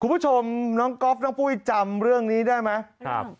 คุณผู้ชมน้องก๊อฟน้องปุ้ยจำเรื่องนี้ได้ไหมครับ